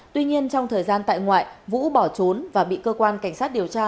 tuy nhiên trong thời gian tại ngoại vũ bỏ trốn và bị cơ quan cảnh sát điều tra